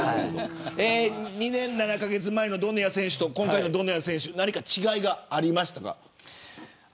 ２年７カ月前のドネア選手と今回のドネア選手違いはありましたか。